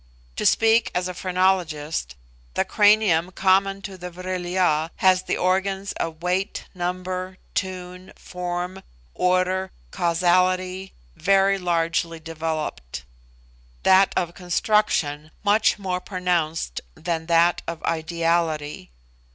To speak as a phrenologist, the cranium common to the Vril ya has the organs of weight, number, tune, form, order, causality, very largely developed; that of construction much more pronounced than that of ideality.